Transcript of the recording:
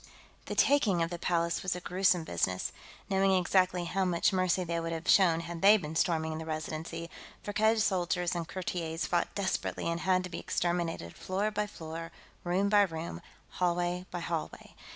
The taking of the Palace was a gruesome business. Knowing exactly how much mercy they would have shown had they been storming the Residency, Firkked's soldiers and courtiers fought desperately and had to be exterminated, floor by floor, room by room, hallway by hallway.